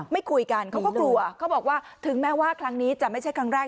ไม่คุยกันเขาก็กลัวเขาบอกว่าถึงแม้ว่าครั้งนี้จะไม่ใช่ครั้งแรก